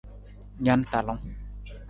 Na na talung.